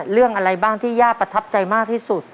เรื่องอะไรบ้างที่ย่าประทับใจมากที่สุด